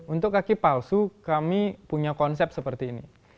untuk kaki palsu kami punya konsep seperti ini